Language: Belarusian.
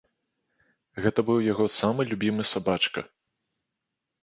Гэта быў яго самы любімы сабачка.